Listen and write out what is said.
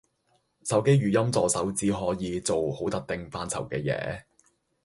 手機語音助手只可以做好特定範疇嘅嘢